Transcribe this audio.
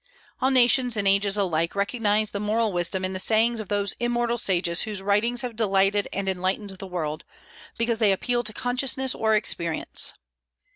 All nations and ages alike recognize the moral wisdom in the sayings of those immortal sages whose writings have delighted and enlightened the world, because they appeal to consciousness or experience.